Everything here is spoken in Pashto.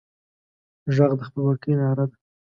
غږ د خپلواکۍ ناره ده